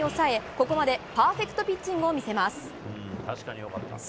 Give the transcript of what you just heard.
ここまでパーフェクトピッチングを見せます。